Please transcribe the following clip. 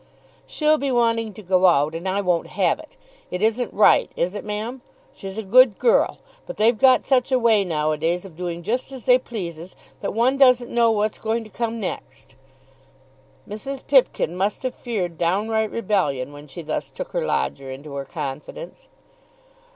"She'll be wanting to go out, and I won't have it. It isn't right; is it, ma'am? She's a good girl; but they've got such a way nowadays of doing just as they pleases, that one doesn't know what's going to come next." Mrs. Pipkin must have feared downright rebellion when she thus took her lodger into her confidence.